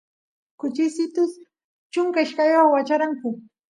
kuchisitus chunka ishkayoq wacharanku